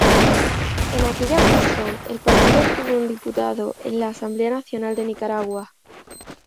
En aquella ocasión, el partido obtuvo un diputado en la Asamblea Nacional de Nicaragua.